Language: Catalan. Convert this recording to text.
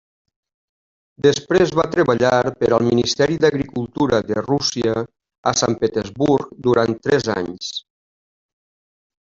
Després va treballar per al Ministeri d'Agricultura de Rússia a Sant Petersburg durant tres anys.